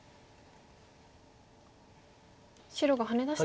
白がハネ出しても。